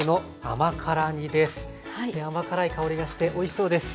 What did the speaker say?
甘辛い香りがしておいしそうです。